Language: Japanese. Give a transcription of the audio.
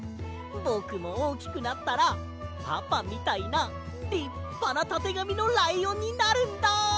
ぼくもおおきくなったらパパみたいなりっぱなたてがみのライオンになるんだ！